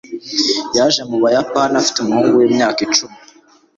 Yaje mu Buyapani afite umuhungu wimyaka icumi.